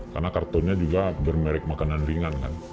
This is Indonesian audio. karena kartonnya juga bermerek makanan ringan